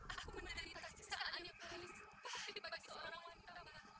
aku menderita kesejahteraan yang paling sepah dibagi seorang wanita